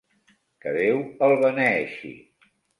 Que Déu el beneeixi.